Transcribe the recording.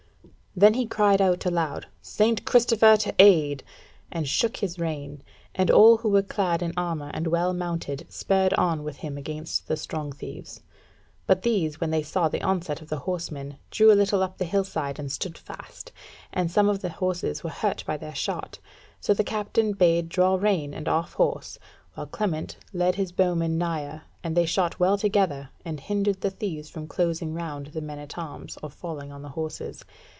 Then he cried out aloud: "St. Christopher to aid!" and shook his rein, and all they who were clad in armour and well mounted spurred on with him against the strong thieves. But these, when they saw the onset of the horsemen, but drew a little up the hill side and stood fast, and some of the horses were hurt by their shot. So the captain bade draw rein and off horse, while Clement led his bowmen nigher, and they shot well together, and hindered the thieves from closing round the men at arms, or falling on the horses.